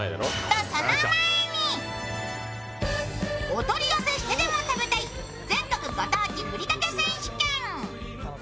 お取り寄せしてでも食べたい全国ご当地ふりかけ選手権。